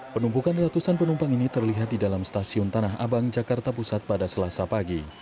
penumpukan ratusan penumpang ini terlihat di dalam stasiun tanah abang jakarta pusat pada selasa pagi